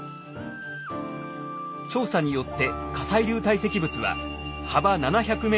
調査によって火砕流堆積物は幅７００ｍ